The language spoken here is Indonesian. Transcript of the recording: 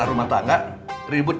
kemarin gue cemurung